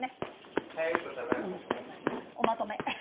「おまとめ」